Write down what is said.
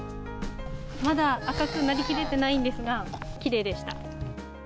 まだ赤くなりきれてないんですが、きれいでした。